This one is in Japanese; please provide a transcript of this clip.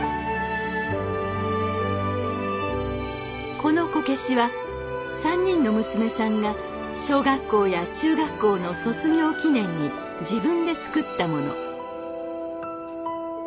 このこけしは３人の娘さんが小学校や中学校の卒業記念に自分で作ったもの。